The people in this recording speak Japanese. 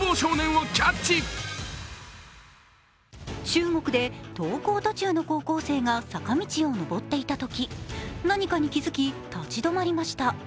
中国で登校途中の高校生が坂道を上っていたとき、何かに気づき、立ち止まりました。